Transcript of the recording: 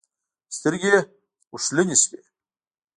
سترګې يې اوښلن شوې.